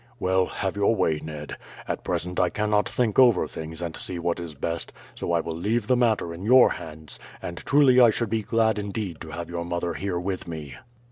"Well, have your way, Ned. At present I cannot think over things and see what is best; so I will leave the matter in your hands, and truly I should be glad indeed to have your mother here with me."